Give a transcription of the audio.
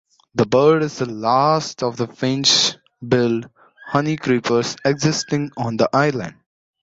The bird is the last of the finch billed honeycreepers existing on the island.